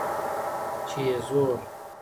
چي یې زور